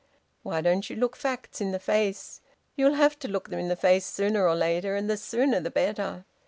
Why don't you look facts in the face? You'll have to look them in the face sooner or later, and the sooner the better.